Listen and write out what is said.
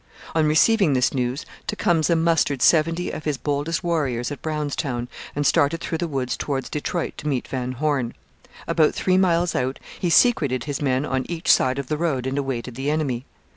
On receiving this news Tecumseh mustered seventy of his boldest warriors at Brownstown and started through the woods towards Detroit to meet Van Horne. About three miles out he secreted his men on each side of the road and awaited the enemy.